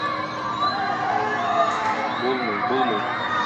Булмый, булмый!